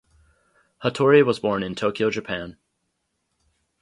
Hattori was born in Tokyo, Japan.